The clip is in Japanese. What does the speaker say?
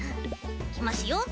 いきますよ。